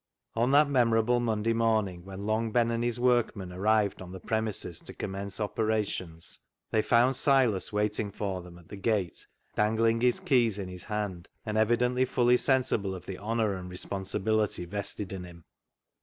On that memorable Monday morning when Long Ben and his workmen arrived on the premises to commence operations, they found Silas waiting for them at the gate dangling his keys in his hand, and evidently fully sensible of the honour and responsibility vested in him.